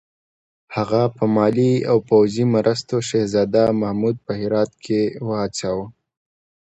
هغه په مالي او پوځي مرستو شهزاده محمود په هرات کې وهڅاوه.